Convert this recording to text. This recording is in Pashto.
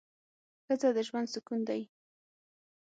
ښځه د ژوند سکون دی